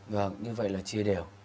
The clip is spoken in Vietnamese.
vâng như vậy là chia đều